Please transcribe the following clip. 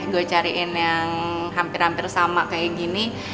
gue cariin yang hampir hampir sama kayak gini